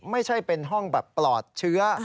ไม่ใช่เป็นห้องแบบปลอดเชื้อ